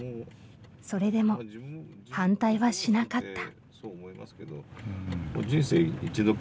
それでも反対はしなかった。